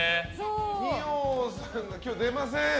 二葉さんが今日、出ません。